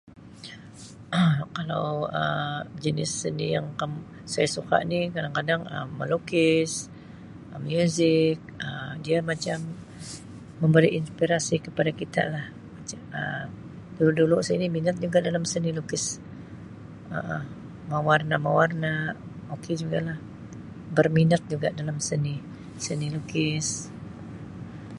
Kalau Um jenis seni yang kam-saya suka ni kadang-kadang Um melukis, Um muzik Um, dia macam memberi insprirasi kepada kita lah mac-[Um] dulu-dulu saya ni minat juga dalam seni lukis Um, mewarna-mewarna okay juga lah berminat juga dalam seni, seni lukis.